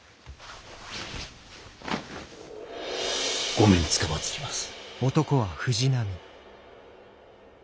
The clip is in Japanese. ごめんつかまつります。